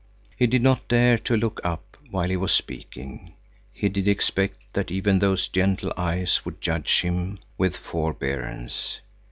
He did not dare to look up while he was speaking; he did expect that even those gentle eyes would judge him with forbearance.